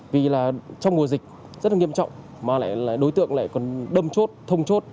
vì là trong mùa dịch rất là nghiêm trọng mà đối tượng lại còn đâm chốt thông chốt